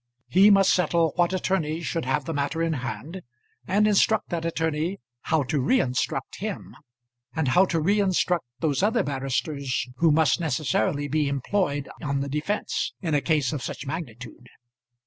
He must settle what attorney should have the matter in hand, and instruct that attorney how to reinstruct him, and how to reinstruct those other barristers who must necessarily be employed on the defence, in a case of such magnitude.